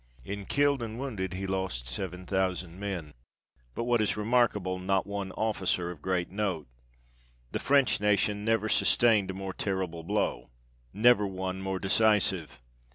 In killed and wounded he lost seven thousand men, but what is remarkable, not one officer of great note. The French nation never sustained a more terrible blow never one more decisive.